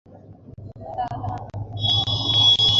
একশ শতাংশ তো বলতে পারবো না।